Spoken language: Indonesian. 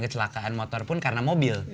kecelakaan motor pun karena mobil